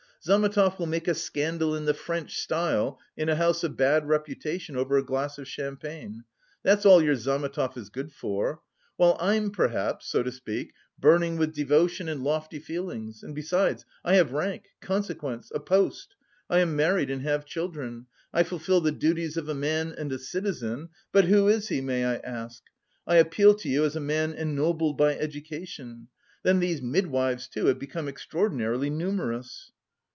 Zametov will make a scandal in the French style in a house of bad reputation, over a glass of champagne... that's all your Zametov is good for! While I'm perhaps, so to speak, burning with devotion and lofty feelings, and besides I have rank, consequence, a post! I am married and have children, I fulfil the duties of a man and a citizen, but who is he, may I ask? I appeal to you as a man ennobled by education... Then these midwives, too, have become extraordinarily numerous."